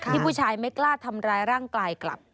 ผู้ชายไม่กล้าทำร้ายร่างกายกลับ